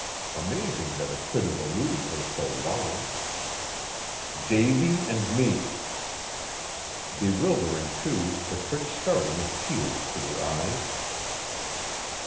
Amazing that it could have eluded her so long: DAVY & ME. Bewildering too the quick starting of tears to her eyes.